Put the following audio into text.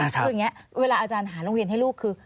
คืออย่างนี้เวลาอาจารย์หาโรงเรียนให้ลูกคือ